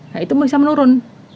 nah itu bisa menurun